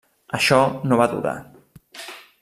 Això no va durar.